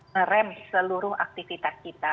meremp seluruh aktivitas kita